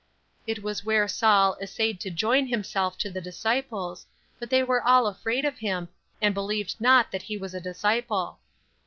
It was where Saul "essayed to join himself to the disciples; but they were all afraid of him, and believed not that he was a disciple."